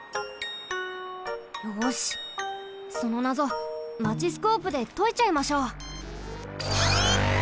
よしそのなぞマチスコープでといちゃいましょう。